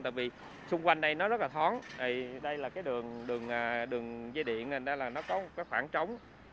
tại vì xung quanh đây nó rất là thoáng đây là cái đường dây điện nên là nó có khoảng trống